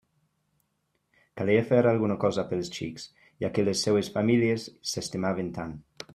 Calia fer alguna cosa pels xics, ja que les seues famílies s'estimaven tant.